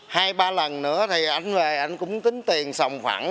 hai ba lần nữa thì anh về anh cũng tính tiền sòng khoảng